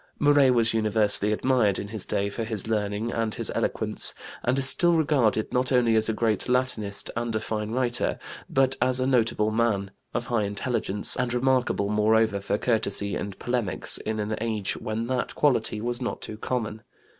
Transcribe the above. Muret was universally admired in his day for his learning and his eloquence, and is still regarded not only as a great Latinist and a fine writer, but as a notable man, of high intelligence, and remarkable, moreover, for courtesy in polemics in an age when that quality was not too common.